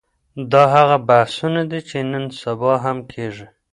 دا هغه بحثونه دي چي نن سبا هم کېږي.